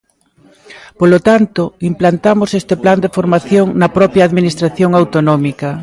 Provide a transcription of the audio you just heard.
Polo tanto, implantamos este plan de formación na propia Administración autonómica.